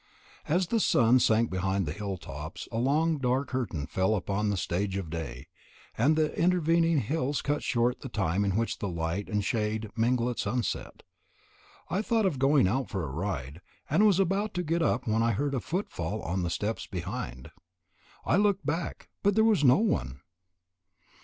As the sun sank behind the hill tops a long dark curtain fell upon the stage of day, and the intervening hills cut short the time in which light and shade mingle at sunset. I thought of going out for a ride, and was about to get up when I heard a footfall on the steps behind. I looked back, but there was no one.